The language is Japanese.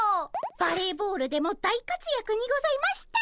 バレーボールでも大活躍にございました。